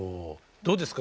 どうですか？